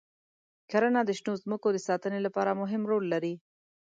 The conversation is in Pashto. کرنه د شنو ځمکو د ساتنې لپاره مهم رول لري.